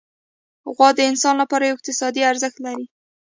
غوا د انسان لپاره یو اقتصادي ارزښت لري.